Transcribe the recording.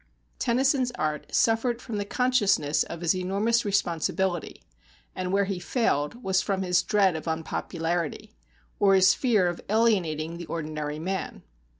Tennyson's art suffered from the consciousness of his enormous responsibility, and where he failed was from his dread of unpopularity, or his fear of alienating the ordinary man.